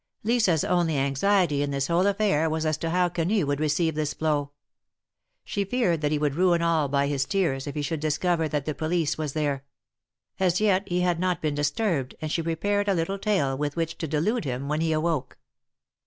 Lisa's only anxiety in this whole afiair was as to how Quenu would receive this blow. She feared that he would ruin all by his tears if he should discover that the police were there ; as yet he had not been disturbed, and she prepared a little tale with which to delude him when he awoke.